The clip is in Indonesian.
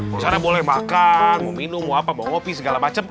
karena boleh makan mau minum mau apa mau kopi segala macem